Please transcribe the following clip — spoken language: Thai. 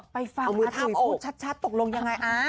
ไปฟังอัตุ๋ยพูดชัดตกลงยังไงอ่า